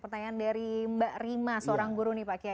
pertanyaan dari mbak rima seorang guru pak gey